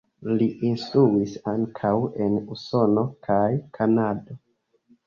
Li instruis ankaŭ en Usono kaj Kanado.